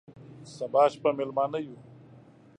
سبا شپه مېلمانه یو،